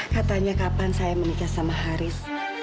katanya kapan saya menikah sama haris